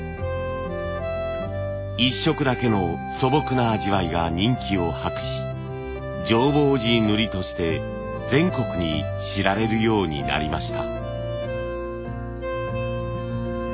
一色だけの素朴な味わいが人気を博し浄法寺塗として全国に知られるようになりました。